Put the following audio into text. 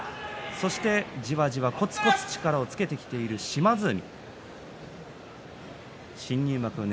そして、じわじわこつこつ力をつけてきている島津海。